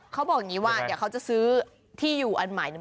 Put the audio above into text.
เขาบอกอย่างนี้ว่าเดี๋ยวเขาจะซื้อที่อยู่อันใหม่เนี่ย